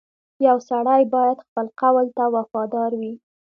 • یو سړی باید خپل قول ته وفادار وي.